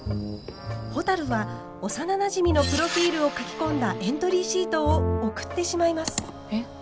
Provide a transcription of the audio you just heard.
ほたるは幼なじみのプロフィールを書き込んだエントリーシートを送ってしまいます。